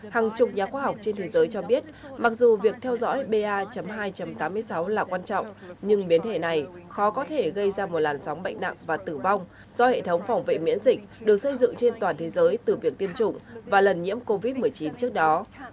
hàng chục nhà khoa học trên thế giới cho biết mặc dù việc theo dõi ba hai tám mươi sáu là quan trọng nhưng biến thể này khó có thể gây ra một làn sóng bệnh nặng và tử vong do hệ thống phòng vệ miễn dịch được xây dựng trên toàn thế giới từ việc tiêm chủng và lần nhiễm covid một mươi chín trước đó